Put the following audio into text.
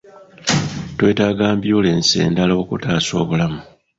Twetaaga ambyulensi endala okutaasa obulamu.